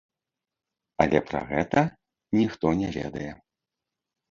Але пра гэта ніхто не ведае.